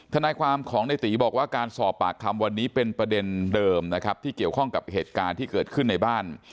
ทนายความของในตีบอกว่าการสอบปากคำวันนี้เป็นประเด็นเดิมนะครับที่เกี่ยวข้องกับเหตุการณ์ที่เกิดขึ้นในบ้าน